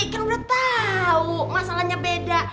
kan udah tau masalahnya beda